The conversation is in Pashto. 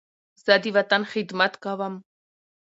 زه د وطن خدمت کوم.